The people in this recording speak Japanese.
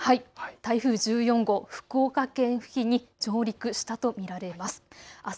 台風１４号、福岡県付近に上陸したと見られます。